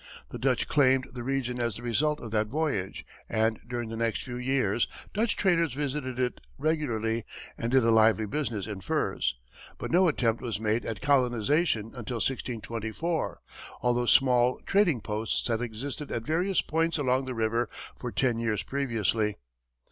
The Dutch claimed the region as the result of that voyage, and during the next few years, Dutch traders visited it regularly and did a lively business in furs; but no attempt was made at colonization until 1624, although small trading posts had existed at various points along the river for ten years previously.